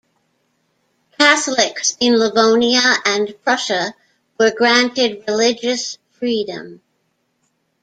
Catholics in Livonia and Prussia were granted religious freedom.